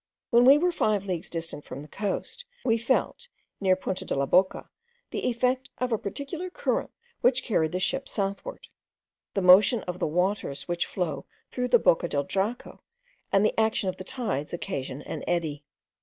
When we were five leagues distant from the coast, we felt, near Punta de la Boca, the effect of a particular current which carried the ship southward. The motion of the waters which flow through the Boca del Draco, and the action of the tides, occasion an eddy.